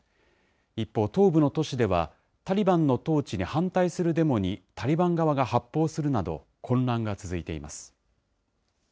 一方、東部の都市では、タリバンの統治に反対するデモに、タリバン側が発砲するなど、混乱が続いています。